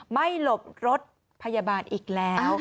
หลบรถพยาบาลอีกแล้ว